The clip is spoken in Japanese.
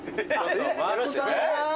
よろしくお願いします。